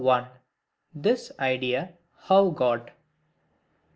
This Idea how got.